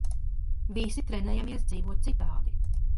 Visi trenējamies dzīvot citādi.